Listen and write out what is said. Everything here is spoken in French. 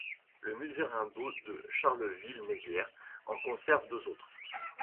Le musée Rimbaud de Charleville-Mézières en conserve deux autres.